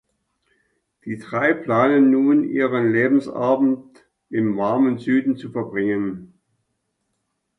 Die drei planen nun ihren Lebensabend im warmen Süden zu verbringen.